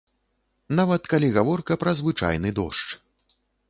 Нават калі гаворка пра звычайны дождж.